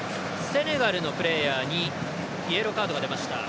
セネガルのプレーヤーにイエローカードが出ました。